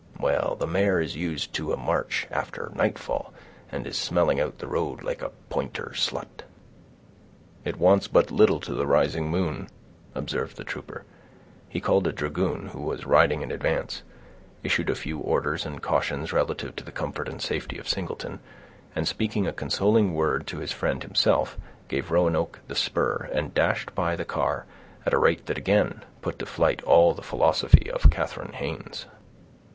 Well, the mare is used to a march after nightfall, and is smelling out the road like a pointer slut." "It wants but little to the rising moon," observed the trooper. He called a dragoon, who was riding in advance, issued a few orders and cautions relative to the comfort and safety of Singleton, and speaking a consoling word to his friend himself, gave Roanoke the spur, and dashed by the car, at a rate that again put to flight all the philosophy of Katharine Haynes.